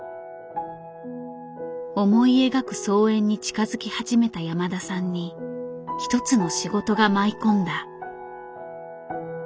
思い描く操演に近づき始めた山田さんに一つの仕事が舞い込んだ。